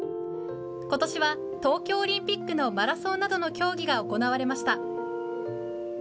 ことしは東京オリンピックのマラソンなどの競技が行われました。